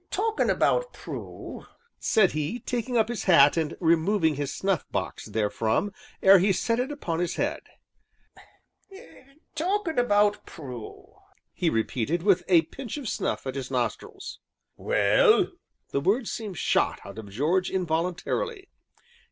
"Talkin' 'bout Prue," said he, taking up his hat and removing his snuff box therefrom ere he set it upon his head, "talkin' 'bout Prue," he repeated, with a pinch of snuff at his nostrils. "Well?" The word seemed shot out of George involuntarily.